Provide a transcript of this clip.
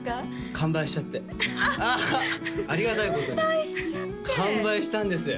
完売しちゃってあっありがたいことに完売したんですよ